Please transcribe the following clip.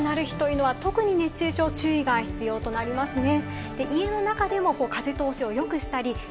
はい、こうして急に暑くなる日というのは特に熱中症注意が必要となります。